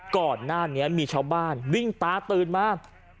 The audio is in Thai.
ก่อนหน้านี้มีชาวบ้านวิ่งตาตื่นมา